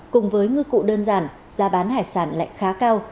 cùng với ngư cụ đơn giản giá bán hải sản lại khá cao